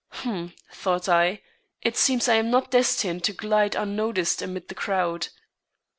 "Humph!" thought I, "it seems I am not destined to glide unnoticed amid the crowd."